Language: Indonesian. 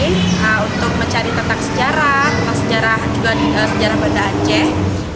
nah untuk mencari tentang sejarah juga sejarah banda aceh